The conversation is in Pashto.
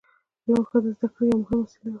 لوحه د زده کړې یوه مهمه وسیله وه.